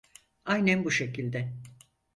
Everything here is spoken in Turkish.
Aynen bu şekilde.